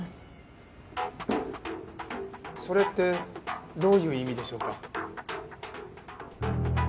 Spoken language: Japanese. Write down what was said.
それってどういう意味でしょうか？